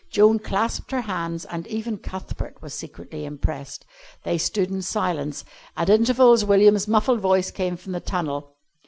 Joan clasped her hands, and even Cuthbert was secretly impressed. They stood in silence. At intervals William's muffled voice came from the tunnel.